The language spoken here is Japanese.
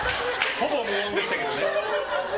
ほぼ無音でしたね。